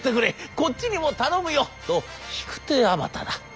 「こっちにも頼むよ」と引く手あまただ。